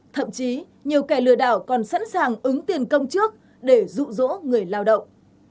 thậm chí nhiều kẻ lừa đảo còn sẵn sàng ứng tiền công trước để rụ rỗ người lao động